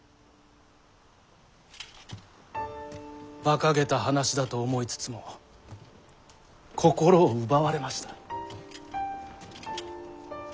バカげた話だと思いつつも心を奪われました。